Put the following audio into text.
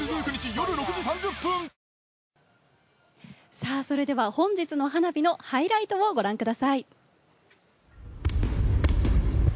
さぁ、それでは本日の花火のハイライトをご覧ください。